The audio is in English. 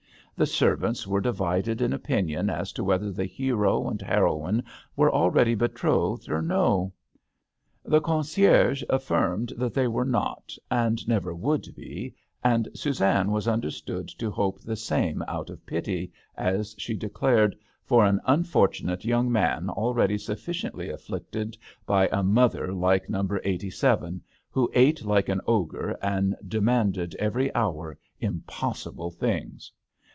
The servants were divided in opinion as to whether the hero and heroine were already betrothed or no. The concierge affirmed that they were not and never would be, and Suzanne was understood to hope the same out of pity, as she declared, for an unfortunate young man al ready sufficiently afflicted by a mother like No. 87, who ate like an ogre and demanded every hour impossible things.